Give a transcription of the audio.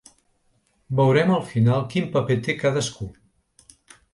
Veurem al final quin paper té cadascú.